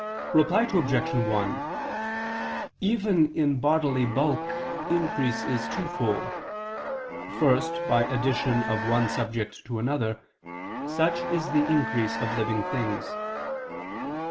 Reply Obj. 1: Even in bodily bulk increase is twofold. First, by addition of one subject to another; such is the increase of living things.